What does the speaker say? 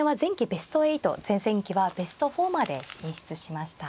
ベスト８前々期はベスト４まで進出しました。